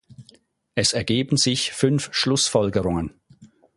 Es ergeben sich fünf Schlussfolgerungen.